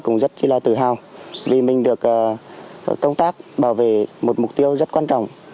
cũng rất là tự hào vì mình được công tác bảo vệ một mục tiêu rất quan trọng